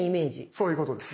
そういうことですね。